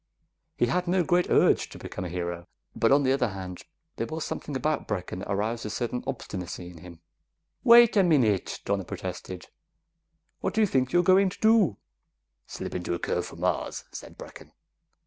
He had no great urge to become a hero, but on the other hand there was something about Brecken that aroused a certain obstinacy in him. "Wait a minute!" Donna protested; "what do you think you're going to do?" "Slip into a curve for Mars," said Brecken.